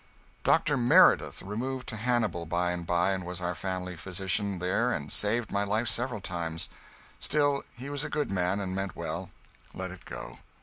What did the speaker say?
Dr. Meredith removed to Hannibal, by and by, and was our family physician there, and saved my life several times. Still, he was a good man and meant well. Let it go.